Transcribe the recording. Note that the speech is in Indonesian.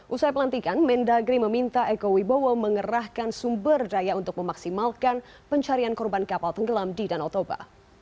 usai pelantikan mendagri meminta eko wibowo mengerahkan sumber daya untuk memaksimalkan pencarian korban kapal tenggelam di danau toba